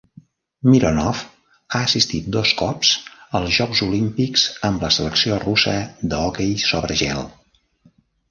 Mironov ha assistit dos cops als Jocs Olímpics amb la selecció russa d'hoquei sobre gel.